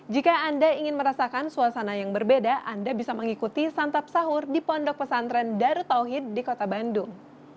jika anda ingin merasakan suasana yang berbeda anda bisa mengikuti santap sahur di pondok pesantren darut tauhid di kota bandung